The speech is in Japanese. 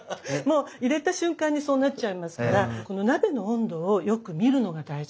もう入れた瞬間にそうなっちゃいますからこの鍋の温度をよく見るのが大事なんです。